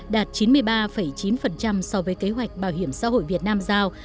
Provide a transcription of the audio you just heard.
đạt chín mươi ba chín so với kế hoạch bảo hiểm xã hội việt nam giao